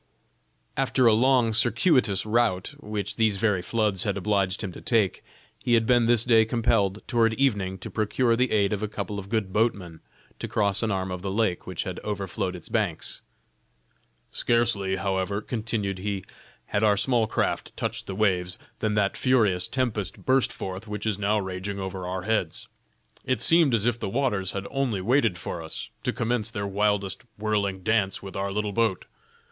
After a long, circuitous route, which these very floods had obliged him to take, he had been this day compelled, toward evening, to procure the aid of a couple of good boatmen to cross an arm of the lake, which had overflowed its banks. "Scarcely however," continued he, "had our small craft touched the waves, than that furious tempest burst forth which is now raging over our heads. It seemed as if the waters had only waited for us, to commence their wildest whirling dance with our little boat.